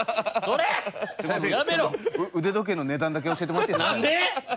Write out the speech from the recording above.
その腕時計の値段だけ教えてもらっていいですか？